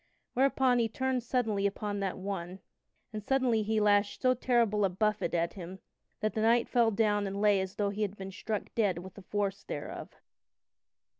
Whereupon he turned suddenly upon that one, and suddenly he lashed so terrible a buffet at him that the knight fell down and lay as though he had been struck dead with the force thereof.